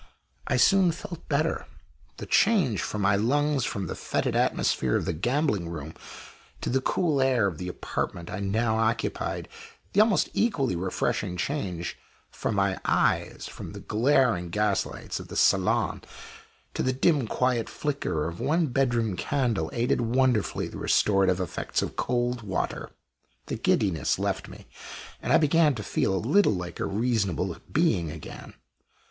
I soon felt better. The change for my lungs, from the fetid atmosphere of the gambling room to the cool air of the apartment I now occupied, the almost equally refreshing change for my eyes, from the glaring gaslights of the "salon" to the dim, quiet flicker of one bedroom candle, aided wonderfully the restorative effects of cold water. The giddiness left me, and I began to feel a little like a reasonable being again.